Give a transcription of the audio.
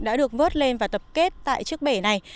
đã được vớt lên và tập kết tại chiếc bể này